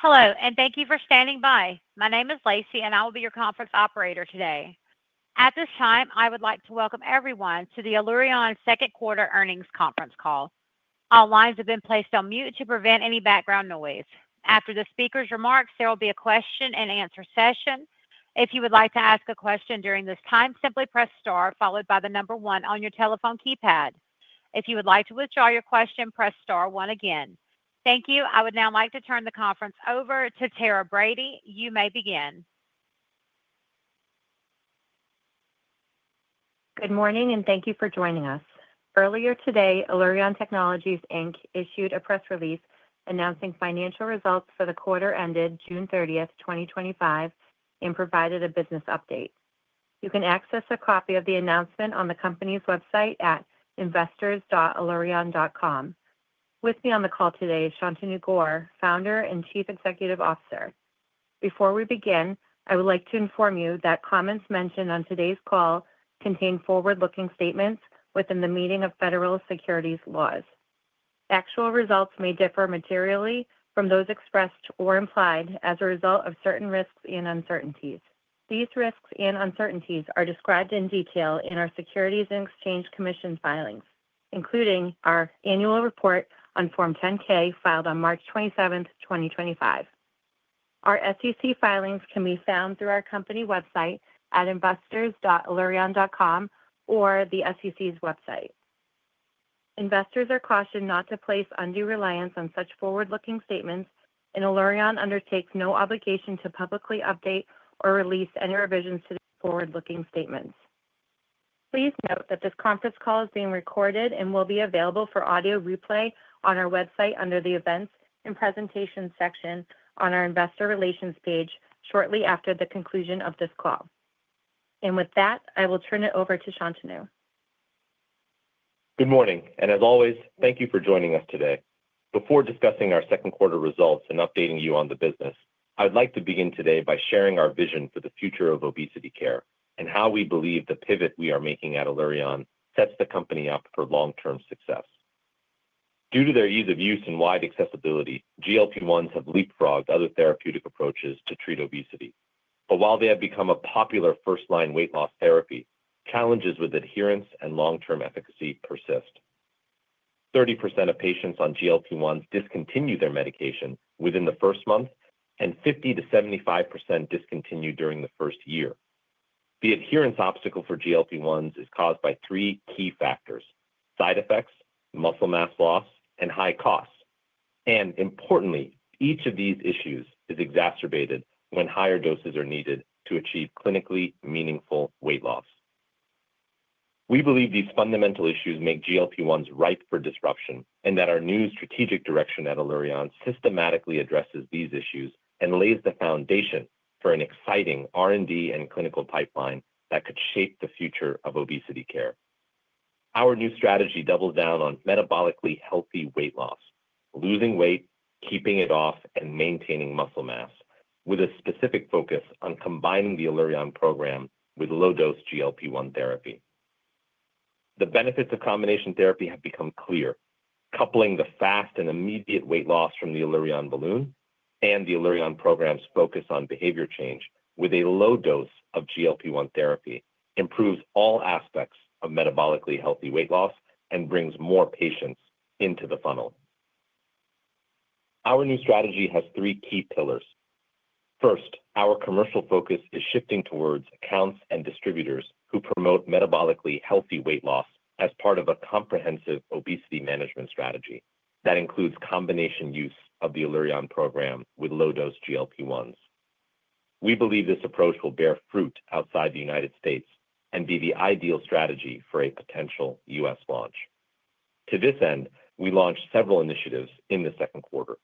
Hello, and thank you for standing by. My name is Lacey, and I will be your conference operator today. At this time, I would like to welcome everyone to the Allurion Second Quarter Earnings Conference Call. All lines have been placed on mute to prevent any background noise. After the speaker's remarks, there will be a question-and-answer session. If you would like to ask a question during this time, simply press star, followed by the number one on your telephone keypad. If you would like to withdraw your question, press star one again. Thank you. I would now like to turn the conference over to Tara Brady. You may begin. Good morning, and thank you for joining us. Earlier today, Allurion Technologies, Inc. issued a press release announcing financial results for the quarter ended June 30, 2025, and provided a business update. You can access a copy of the announcement on the company's website at investors.allurion.com. With me on the call today is Shantanu Gaur, Founder and Chief Executive Officer. Before we begin, I would like to inform you that comments mentioned on today's call contain forward-looking statements within the meaning of federal securities laws. Actual results may differ materially from those expressed or implied as a result of certain risks and uncertainties. These risks and uncertainties are described in detail in our Securities and Exchange Commission filings, including our annual report on Form 10-K filed on March 27, 2025. Our SEC filings can be found through our company website at investors.allurion.com or the SEC's website. Investors are cautioned not to place undue reliance on such forward-looking statements, and Allurion undertakes no obligation to publicly update or release any revisions to forward-looking statements. Please note that this conference call is being recorded and will be available for audio replay on our website under the Events and Presentations section on our Investor Relations page shortly after the conclusion of this call. With that, I will turn it over to Shantanu. Good morning, and as always, thank you for joining us today. Before discussing our Second Quarter Results and updating you on the business, I would like to begin today by sharing our vision for the future of obesity care and how we believe the pivot we are making at Allurion sets the company up for long-term success. Due to their ease of use and wide accessibility, GLP-1s have leapfrogged other therapeutic approaches to treat obesity. While they have become a popular first-line weight loss therapy, challenges with adherence and long-term efficacy persist. 30% of patients on GLP-1s discontinue their medication within the first month, and 50%-75% discontinue during the first year. The adherence obstacle for GLP-1s is caused by three key factors: side effects, muscle mass loss, and high costs. Importantly, each of these issues is exacerbated when higher doses are needed to achieve clinically meaningful weight loss. We believe these fundamental issues make GLP-1s ripe for disruption and that our new strategic direction at Allurion systematically addresses these issues and lays the foundation for an exciting R&D and clinical pipeline that could shape the future of obesity care. Our new strategy doubles down on metabolically healthy weight loss: losing weight, keeping it off, and maintaining muscle mass, with a specific focus on combining the Allurion Program with low-dose GLP-1 therapy. The benefits of combination therapy have become clear. Coupling the fast and immediate weight loss from the Allurion Balloon and the Allurion Program's focus on behavior change with a low dose of GLP-1 therapy improves all aspects of metabolically healthy weight loss and brings more patients into the funnel. Our new strategy has three key pillars. First, our commercial focus is shifting towards accounts and distributors who promote metabolically healthy weight loss as part of a comprehensive obesity management strategy that includes combination use of the Allurion Program with low-dose GLP-1s. We believe this approach will bear fruit outside the United States and be the ideal strategy for a potential U.S. launch. To this end, we launched several initiatives in the second quarter.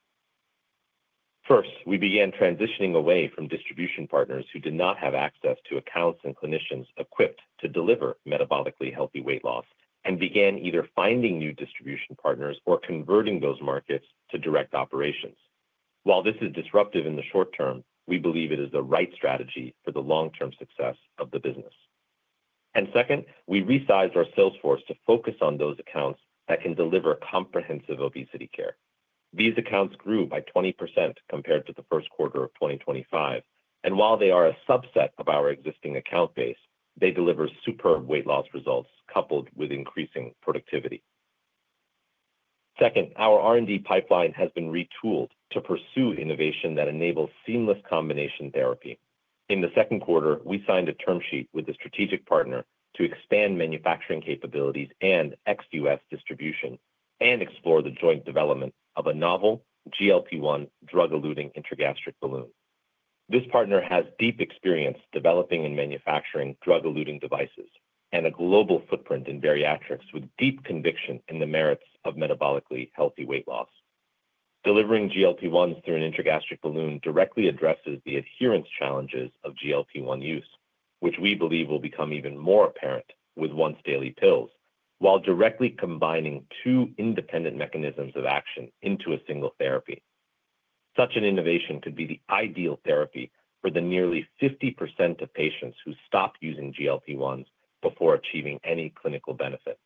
First, we began transitioning away from distribution partners who did not have access to accounts and clinicians equipped to deliver metabolically healthy weight loss and began either finding new distribution partners or converting those markets to direct operations. While this is disruptive in the short term, we believe it is the right strategy for the long-term success of the business. Second, we resized our sales force to focus on those accounts that can deliver comprehensive obesity care. These accounts grew by 20% compared to the first quarter of 2025, and while they are a subset of our existing account base, they deliver superb weight loss results coupled with increasing productivity. Second, our R&D pipeline has been retooled to pursue innovation that enables seamless combination therapy. In the second quarter, we signed a term sheet with a strategic partner to expand manufacturing capabilities and ex-U.S. distribution and explore the joint development of a novel GLP-1 drug-eluting intragastric balloon. This partner has deep experience developing and manufacturing drug-eluting devices and a global footprint in bariatrics with deep conviction in the merits of metabolically healthy weight loss. Delivering GLP-1s through an intragastric balloon directly addresses the adherence challenges of GLP-1 use, which we believe will become even more apparent with once-daily pills, while directly combining two independent mechanisms of action into a single therapy. Such an innovation could be the ideal therapy for the nearly 50% of patients who stopped using GLP-1s before achieving any clinical benefit.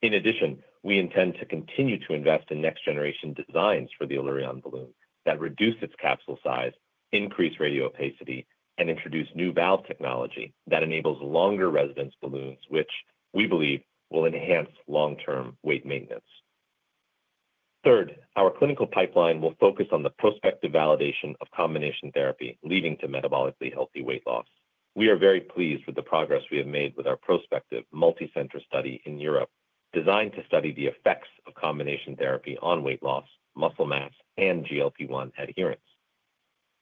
In addition, we intend to continue to invest in next-generation designs for the Allurion Balloon that reduce its capsule size, increase radio-opacity, and introduce new valve technology that enables longer-residence balloons, which we believe will enhance long-term weight maintenance. Third, our clinical pipeline will focus on the prospective validation of combination therapy leading to metabolically healthy weight loss. We are very pleased with the progress we have made with our prospective multicenter European study, designed to study the effects of combination therapy on weight loss, muscle mass, and GLP-1 adherence.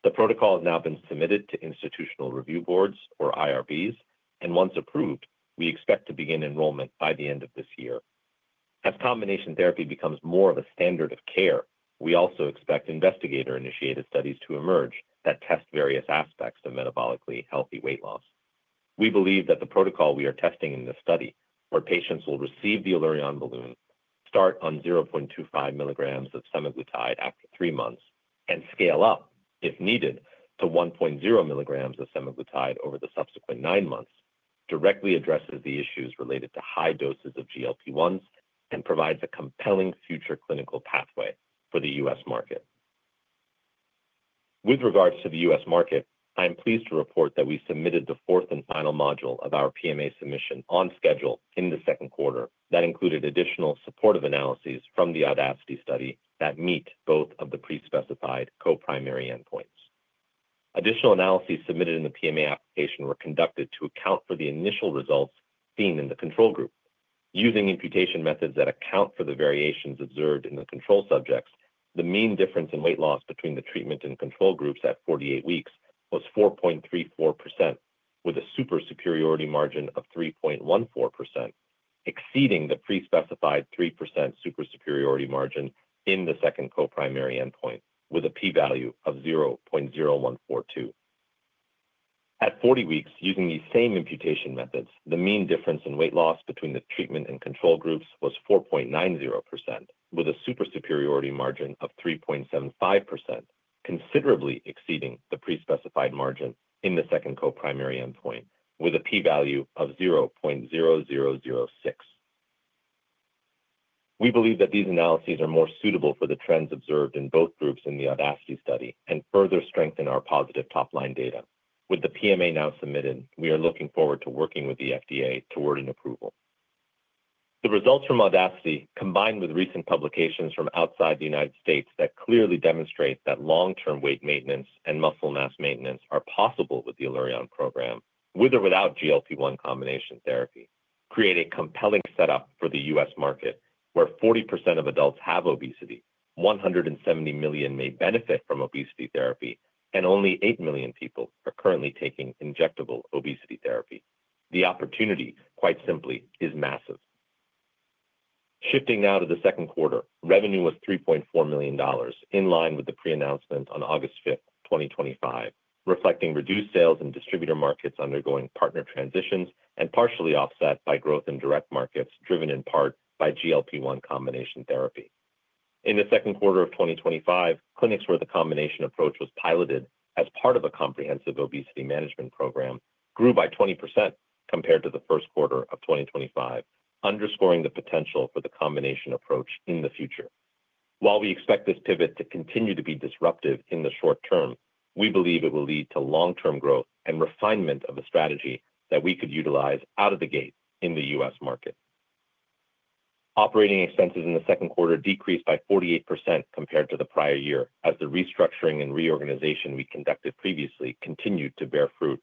The protocol has now been submitted to institutional review boards, or IRBs, and once approved, we expect to begin enrollment by the end of this year. As combination therapy becomes more of a standard of care, we also expect investigator-initiated studies to emerge that test various aspects of metabolically healthy weight loss. We believe that the protocol we are testing in this study, where patients will receive the Allurion Balloon, start on 0.25 mg of semaglutide after three months and scale up, if needed, to 1.0 mg of semaglutide over the subsequent nine months, directly addresses the issues related to high doses of GLP-1s and provides a compelling future clinical pathway for the U.S. market. With regards to the U.S. market, I am pleased to report that we submitted the fourth and final module of our PMA submission on schedule in the second quarter that included additional supportive analyses from the Audacity study that meet both of the pre-specified coprimary endpoints. Additional analyses submitted in the PMA application were conducted to account for the initial results seen in the control group. Using imputation methods that account for the variations observed in the control subjects, the mean difference in weight loss between the treatment and control groups at forty-eight weeks was 4.34%, with a supersuperiority margin of 3.14%, exceeding the pre-specified 3% supersuperiority margin in the second coprimary endpoint, with a p-value of 0.0142. At forty weeks, using the same imputation methods, the mean difference in weight loss between the treatment and control groups was 4.90%, with a supersuperiority margin of 3.75%, considerably exceeding the pre-specified margin in the second coprimary endpoint, with a p-value of 0.0006. We believe that these analyses are more suitable for the trends observed in both groups in the Audacity study and further strengthen our positive top-line data. With the PMA now submitted, we are looking forward to working with the FDA toward an approval. The results from Audacity, combined with recent publications from outside the United States, clearly demonstrate that long-term weight maintenance and muscle mass maintenance are possible with the Allurion Program, with or without GLP-1 combination therapy, creating a compelling setup for the U.S. market where 40% of adults have obesity, 170 million may benefit from obesity therapy, and only 8 million people are currently taking injectable obesity therapy. The opportunity, quite simply, is massive. Shifting now to the second quarter, revenue was $3.4 million, in line with the pre-announcement on August 5th, 2025, reflecting reduced sales in distributor markets undergoing partner transitions and partially offset by growth in direct markets driven in part by GLP-1 combination therapy. In the second quarter of 2025, clinics where the combination approach was piloted as part of a comprehensive obesity management program grew by 20% compared to the first quarter of 2025, underscoring the potential for the combination approach in the future. While we expect this pivot to continue to be disruptive in the short term, we believe it will lead to long-term growth and refinement of a strategy that we could utilize out of the gate in the U.S. market. Operating expenses in the second quarter decreased by 48% compared to the prior year as the restructuring and reorganization we conducted previously continued to bear fruit.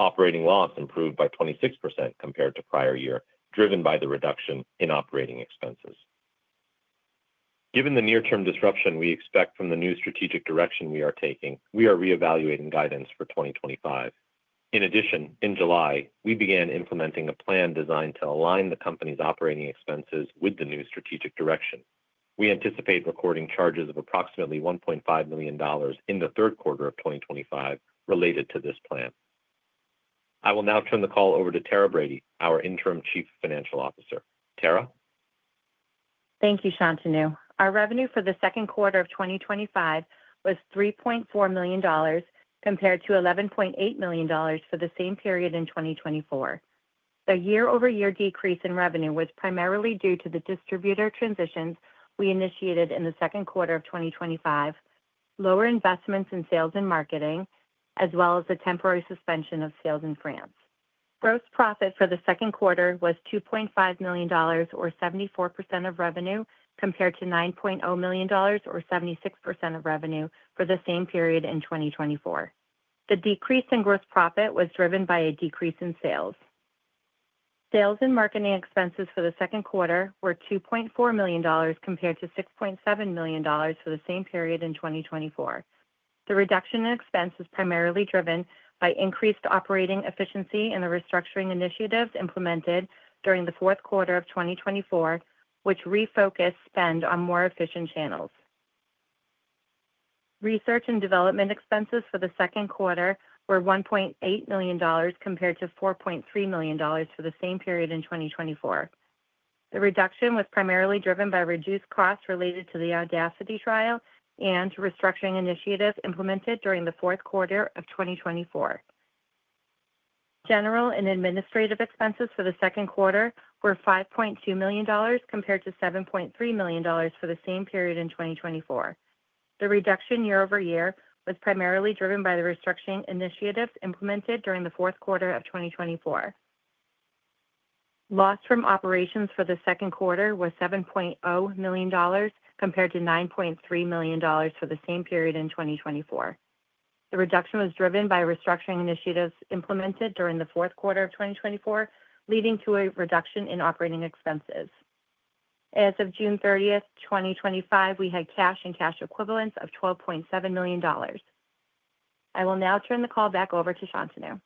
Operating loss improved by 26% compared to prior year, driven by the reduction in operating expenses. Given the near-term disruption we expect from the new strategic direction we are taking, we are reevaluating guidance for 2025.In addition, in July, we began implementing a plan designed to align the company's operating expenses with the new strategic direction. We anticipate recording charges of approximately $1.5 million in the third quarter of 2025 related to this plan. I will now turn the call over to Tara Brady, our Interim Chief Financial Officer. Tara? Thank you, Shantanu. Our revenue for the second quarter of 2025 was $3.4 million compared to $11.8 million for the same period in 2024. The year-over-year decrease in revenue was primarily due to the distributor transitions we initiated in the second quarter of 2025, lower investments in sales and marketing, as well as the temporary suspension of sales in France. Gross profit for the second quarter was $2.5 million, or 74% of revenue, compared to $9.0 million, or 76% of revenue, for the same period in 2024. The decrease in gross profit was driven by a decrease in sales. Sales and marketing expenses for the second quarter were $2.4 million compared to $6.7 million for the same period in 2024. The reduction in expense is primarily driven by increased operating efficiency in the restructuring initiatives implemented during the fourth quarter of 2024, which refocused spend on more efficient channels. Research and development expenses for the second quarter were $1.8 million compared to $4.3 million for the same period in 2024. The reduction was primarily driven by reduced costs related to the Audacity trial and restructuring initiatives implemented during the fourth quarter of 2024. General and administrative expenses for the second quarter were $5.2 million compared to $7.3 million for the same period in 2024. The reduction year-over-year was primarily driven by the restructuring initiatives implemented during the fourth quarter of 2024. Loss from operations for the second quarter was $7.0 million compared to $9.3 million for the same period in 2024. The reduction was driven by restructuring initiatives implemented during the fourth quarter of 2024, leading to a reduction in operating expenses. As of June 30, 2025, we had cash and cash equivalents of $12.7 million. I will now turn the call back over to Shantanu.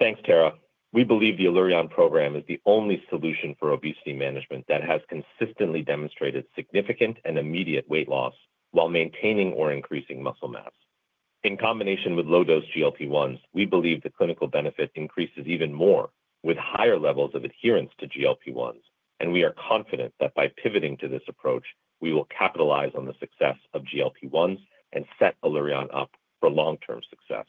Thanks, Tara. We believe the Allurion Program is the only solution for obesity management that has consistently demonstrated significant and immediate weight loss while maintaining or increasing muscle mass. In combination with low-dose GLP-1s, we believe the clinical benefit increases even more with higher levels of adherence to GLP-1s, and we are confident that by pivoting to this approach, we will capitalize on the success of GLP-1s and set Allurion up for long-term success.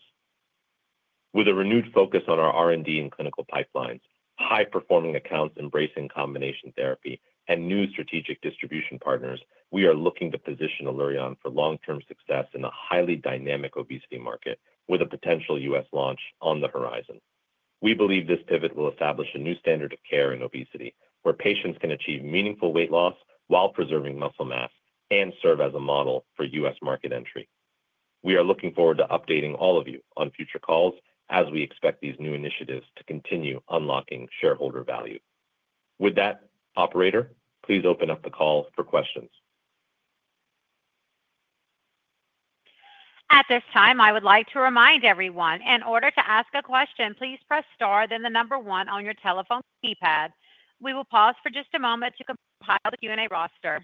With a renewed focus on our R&D and clinical pipelines, high-performing accounts embracing combination therapy, and new strategic distribution partners, we are looking to position Allurion for long-term success in a highly dynamic obesity market with a potential U.S. launch on the horizon. We believe this pivot will establish a new standard of care in obesity, where patients can achieve meaningful weight loss while preserving muscle mass and serve as a model for U.S. market entry. We are looking forward to updating all of you on future calls as we expect these new initiatives to continue unlocking shareholder value. With that, operator, please open up the call for questions. At this time, I would like to remind everyone, in order to ask a question, please press star then the number one on your telephone keypad. We will pause for just a moment to compile the Q&A roster.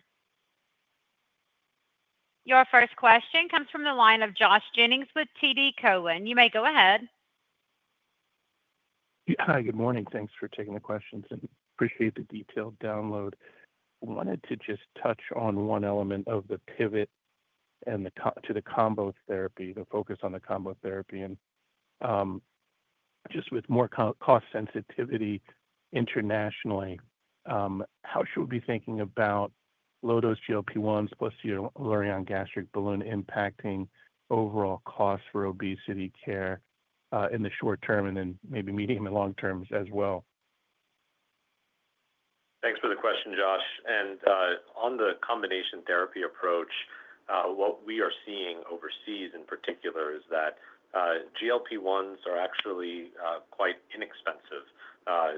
Your first question comes from the line of Josh Jennings with TD Cowen. You may go ahead. Hi. Good morning. Thanks for taking the questions and appreciate the detailed download. I wanted to just touch on one element of the pivot to the combination therapy, the focus on the combination therapy, and just with more cost sensitivity internationally, how should we be thinking about low-dose GLP-1s plus the Allurion Balloon impacting overall costs for obesity care in the short term and then maybe medium and long terms as well? Thanks for the question, Josh. On the combination therapy approach, what we are seeing overseas in particular is that GLP-1s are actually quite inexpensive.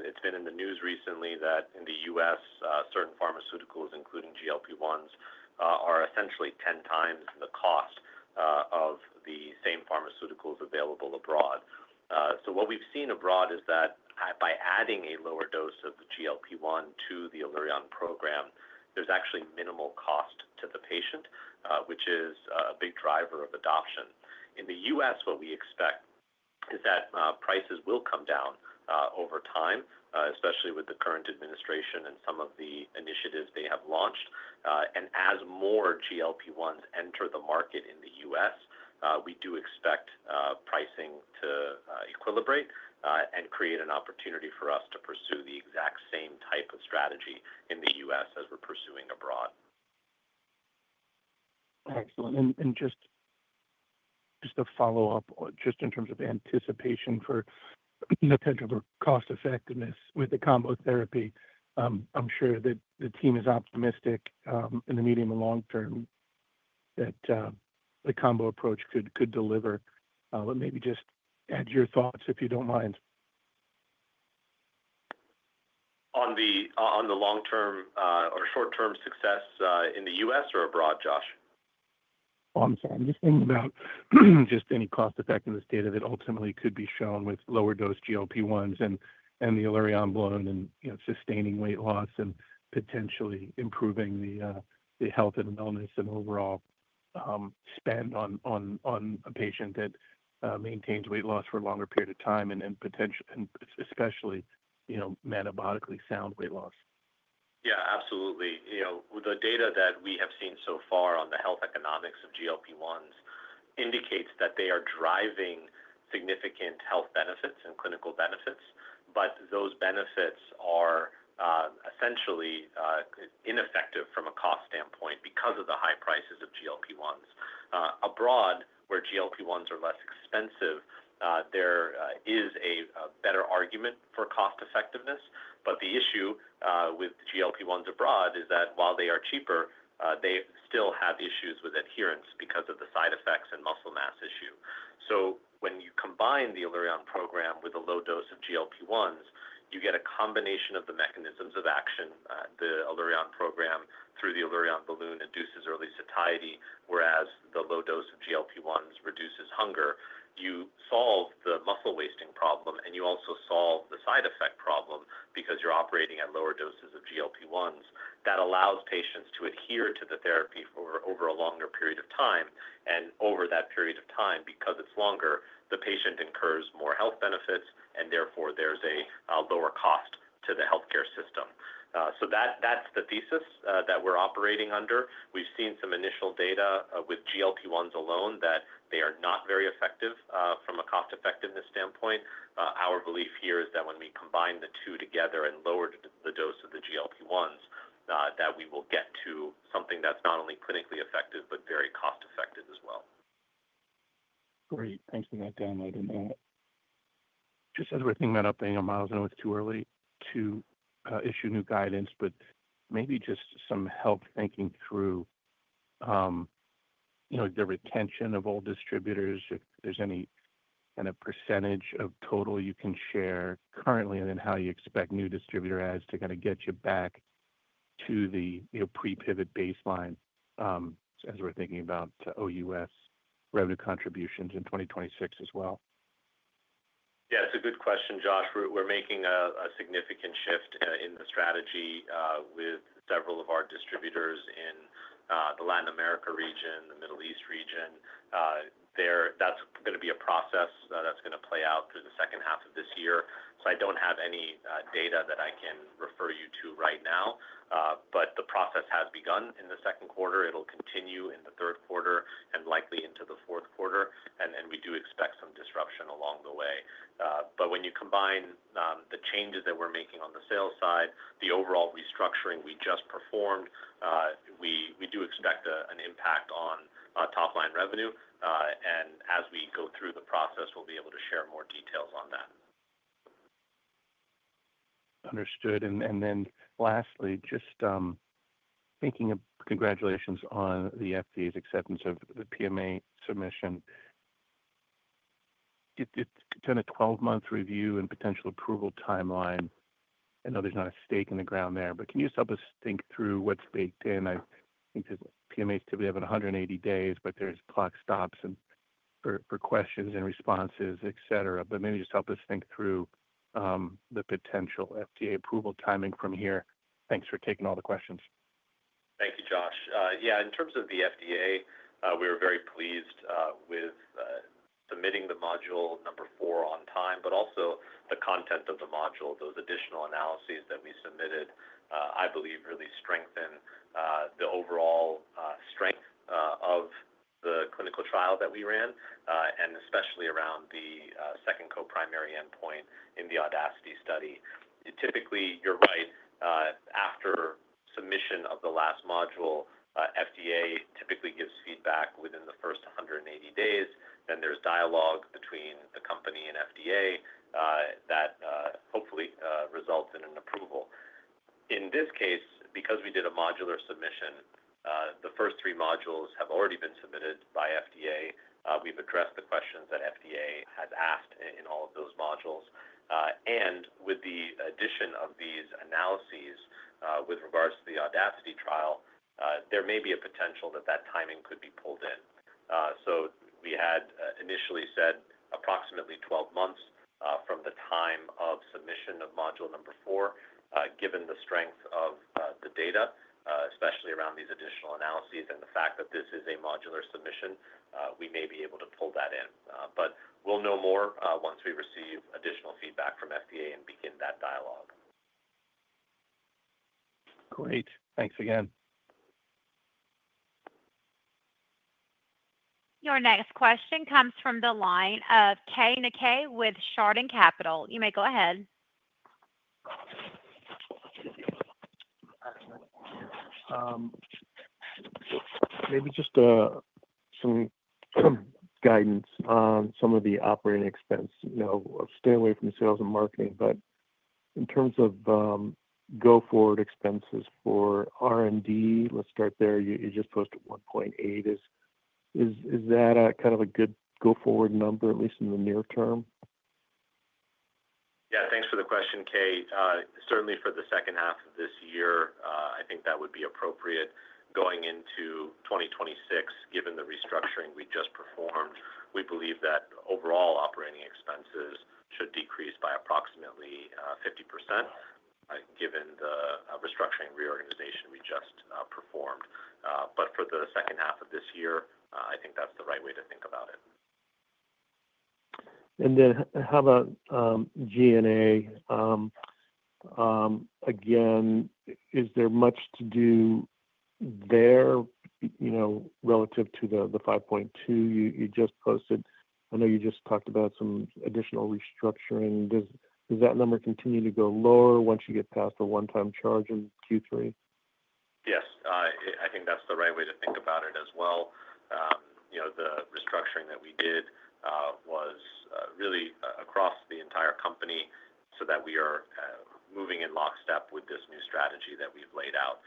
It's been in the news recently that in the U.S., certain pharmaceuticals, including GLP-1s, are essentially 10x the cost of the same pharmaceuticals available abroad. What we've seen abroad is that by adding a lower dose of the GLP-1 to the Allurion Program, there's actually minimal cost to the patient, which is a big driver of adoption. In the U.S., we expect that prices will come down over time, especially with the current administration and some of the initiatives they have launched. As more GLP-1s enter the market in the U.S., we do expect pricing to equilibrate and create an opportunity for us to pursue the exact same type of strategy in the U.S. as we're pursuing abroad. Excellent. Just a follow-up, in terms of anticipation for potential for cost effectiveness with the combo therapy, I'm sure that the team is optimistic in the medium and long term that the combo approach could deliver. Maybe just add your thoughts if you don't mind. On the long term or short term success in the U.S. or abroad, Josh? I'm just thinking about any cost effectiveness data that ultimately could be shown with lower dose GLP-1s and the Allurion Balloon, and sustaining weight loss and potentially improving the health and wellness and overall spend on a patient that maintains weight loss for a longer period of time, and especially, you know, metabolically sound weight loss. Yeah, absolutely. You know, the data that we have seen so far on the health economics of GLP-1s indicates that they are driving significant health benefits and clinical benefits, but those benefits are, essentially, ineffective from a cost standpoint because of the high prices of GLP-1s. Abroad, where GLP-1s are less expensive, there is a better argument for cost effectiveness. The issue with GLP-1s abroad is that while they are cheaper, they still have issues with adherence because of the side effects and muscle mass issue. When you combine the Allurion Program with a low dose of GLP-1s, you get a combination of the mechanisms of action. The Allurion Program through the Allurion Balloon induces early satiety, whereas the low dose of GLP-1s reduces hunger. You solve the muscle wasting problem, and you also solve the side effect problem because you're operating at lower doses of GLP-1s. That allows patients to adhere to the therapy for over a longer period of time. Over that period of time, because it's longer, the patient incurs more health benefits, and therefore, there's a lower cost to the healthcare system. That's the thesis that we're operating under. We've seen some initial data with GLP-1s alone that they are not very effective from a cost effectiveness standpoint. Our belief here is that when we combine the two together and lower the dose of the GLP-1s, that we will get to something that's not only clinically effective but very cost effective as well. Great. Thanks for that download in that. Just as we're thinking about updating our models, I know it's too early to issue new guidance, but maybe just some help thinking through the retention of old distributors, if there's any kind of percentage of total you can share currently, and then how you expect new distributor ads to kind of get you back to the pre-pivot baseline, as we're thinking about OUS revenue contributions in 2026 as well. Yeah, it's a good question, Josh. We're making a significant shift in the strategy, with several of our distributors in the Latin America region, the Middle East region. That's going to be a process that's going to play out through the second half of this year. I don't have any data that I can refer you to right now, but the process has begun in the second quarter. It'll continue in the third quarter and likely into the fourth quarter. We do expect some disruption along the way. When you combine the changes that we're making on the sales side and the overall restructuring we just performed, we do expect an impact on top-line revenue. As we go through the process, we'll be able to share more details on that. Understood. Lastly, congratulations on the FDA's acceptance of the PMA submission. It's kind of a twelve-month review and potential approval timeline. I know there's not a stake in the ground there, but can you just help us think through what's baked in? I think the PMAs typically have 180 days, but there are clock stops for questions and responses, et cetera. Maybe just help us think through the potential FDA approval timing from here. Thanks for taking all the questions. Thank you, Josh. Yeah, in terms of the FDA, we were very pleased with submitting the module number four on time, but also the content of the module. Those additional analyses that we submitted, I believe, really strengthen the overall strength of the clinical trial that we ran, and especially around the second coprimary endpoint in the Audacity study. Typically, you're right, after submission of the last module, FDA typically gives feedback within the first 180 days, and there's dialogue between the company and FDA that, hopefully, results in an approval. In this case, because we did a modular submission, the first three modules have already been submitted to FDA. We've addressed the questions that FDA has asked in all of those modules, and with the addition of these analyses with regards to the Audacity trial, there may be a potential that that timing could be pulled in. We had initially said approximately twelve months from the time of submission of module number four. Given the strength of the data, especially around these additional analyses and the fact that this is a modular submission, we may be able to pull that in. We'll know more once we receive additional feedback from FDA and begin that dialogue. Great. Thanks again. Your next question comes from the line of Keay Nakae with Chardan Capital Markets. You may go ahead. Maybe just some guidance on some of the operating expense. You know, stay away from the sales and marketing, but in terms of go-forward expenses for R&D, let's start there. You just posted $1.8 million. Is that a kind of a good go-forward number, at least in the near term? Yeah, thanks for the question, Keay. Certainly, for the second half of this year, I think that would be appropriate. Going into 2026, given the restructuring we just performed, we believe that overall operating expenses should decrease by approximately 50%, given the restructuring and reorganization we just performed. For the second half of this year, I think that's the right way to think about it. How about G&A? Is there much to do there, you know, relative to the $5.2 million you just posted? I know you just talked about some additional restructuring. Does that number continue to go lower once you get past the one-time charge in Q3? Yes. I think that's the right way to think about it as well. The restructuring that we did was really across the entire company so that we are moving in lockstep with this new strategy that we've laid out.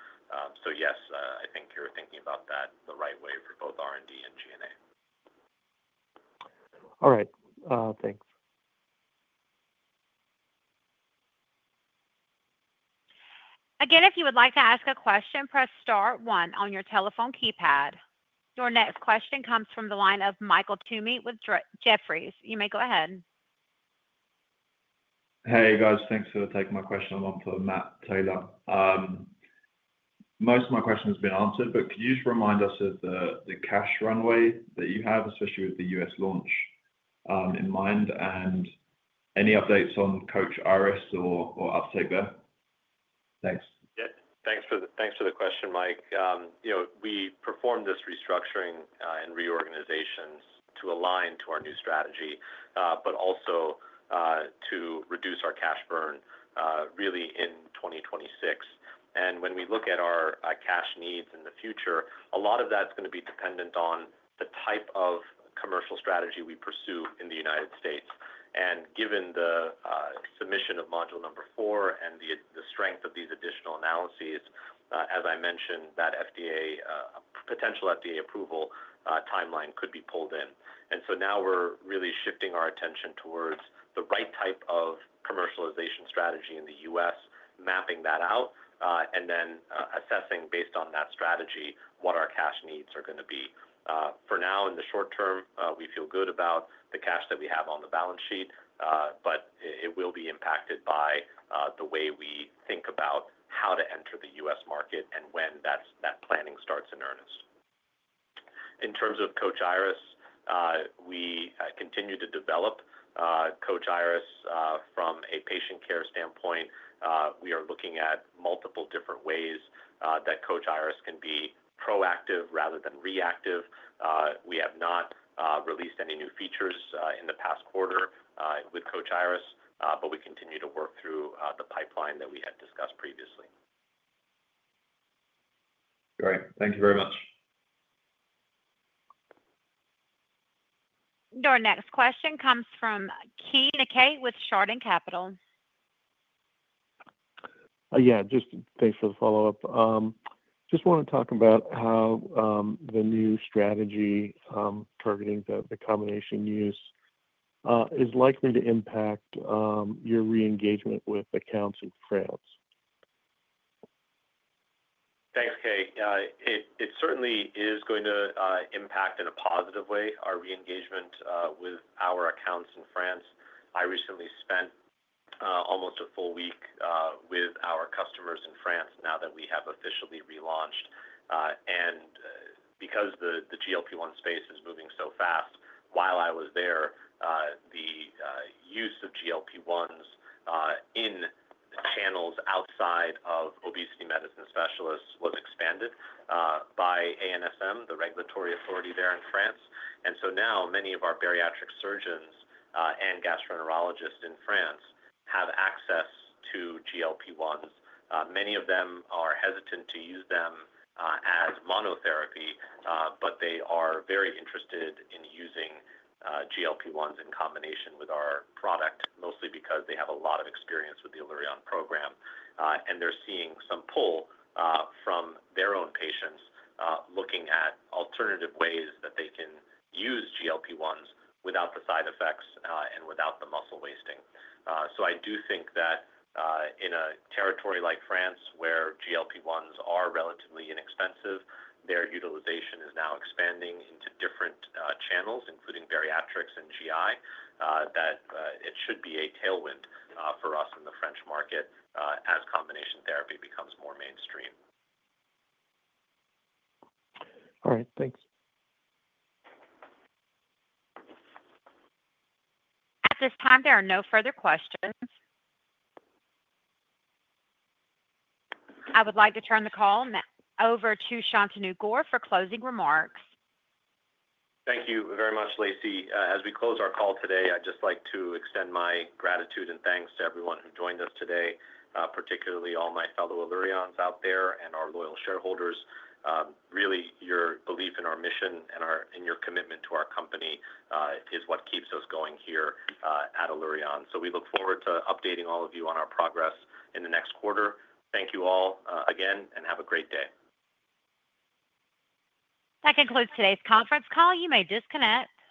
Yes, I think you're thinking about that the right way for both R&D and G&A. All right, thanks. Again, if you would like to ask a question, press star one on your telephone keypad. Your next question comes from the line of Michael Toomey with Jefferies. You may go ahead. Hey, guys. Thanks for taking my question along to Matt Taylor. Most of my question has been answered, but could you just remind us of the cash runway that you have, especially with the U.S. launch in mind, and any updates on Coach Iris or AppTracker? Thanks. Yeah, thanks for the question, Mike. We performed this restructuring and reorganizations to align to our new strategy, but also to reduce our cash burn, really in 2026. When we look at our cash needs in the future, a lot of that's going to be dependent on the type of commercial strategy we pursue in the United States. Given the submission of module number four and the strength of these additional analyses, as I mentioned, that FDA, potential FDA approval timeline could be pulled in. Now we're really shifting our attention towards the right type of commercialization strategy in the United States, mapping that out, and then assessing based on that strategy what our cash needs are going to be. For now, in the short term, we feel good about the cash that we have on the balance sheet, but it will be impacted by the way we think about how to enter the United States market and when that planning starts in earnest. In terms of Coach Iris, we continue to develop Coach Iris from a patient care standpoint. We are looking at multiple different ways that Coach Iris can be proactive rather than reactive. We have not released any new features in the past quarter with Coach Iris, but we continue to work through the pipeline that we had discussed previously. Great. Thank you very much. Your next question comes from Keay Nakae with Chardan Capital. Yeah, thanks for the follow-up. I just want to talk about how the new strategy, targeting the combination use, is likely to impact your reengagement with accounts in France. Thanks, Keay. It certainly is going to impact in a positive way our reengagement with our accounts in France. I recently spent almost a full week with our customers in France now that we have officially relaunched. Because the GLP-1 space is moving so fast, while I was there, the use of GLP-1s in channels outside of obesity medicine specialists was expanded by ANSM, the regulatory authority there in France. Now many of our bariatric surgeons and gastroenterologists in France have access to GLP-1s. Many of them are hesitant to use them as monotherapy, but they are very interested in using GLP-1s in combination with our product, mostly because they have a lot of experience with the Allurion Program. They're seeing some pull from their own patients looking at alternative ways that they can use GLP-1s without the side effects and without the muscle wasting.I do think that in a territory like France where GLP-1s are relatively inexpensive, their utilization is now expanding into different channels, including bariatrics and GI, that it should be a tailwind for us in the French market as combination therapy becomes more mainstream. All right. Thanks. This time there are no further questions. I would like to turn the call over to Shantanu Gaur for closing remarks. Thank you very much, Lacey. As we close our call today, I'd just like to extend my gratitude and thanks to everyone who joined us today, particularly all my fellow Allurions out there and our loyal shareholders. Really, your belief in our mission and your commitment to our company is what keeps us going here at Allurion. We look forward to updating all of you on our progress in the next quarter. Thank you all again, and have a great day. That concludes today's conference call. You may disconnect.